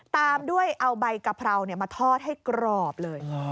ตามด้วยเอาใบกะเพรามาทอดให้กรอบเลย